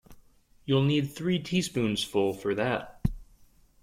You'll need three teaspoonsful for that.